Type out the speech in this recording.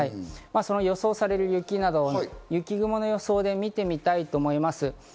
予想される雪、雪雲の予想で見てみたいと思います。